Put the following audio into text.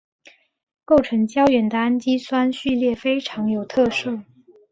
构成胶原的氨基酸序列非常有特色。